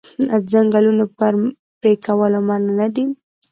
آیا د ځنګلونو پرې کول منع نه دي؟